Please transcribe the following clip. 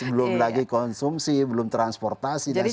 belum lagi konsumsi belum transportasi dan sebagainya